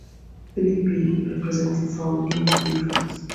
Philby represented Saudi interests.